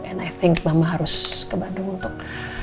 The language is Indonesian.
and i think mama harus ke bandung untuk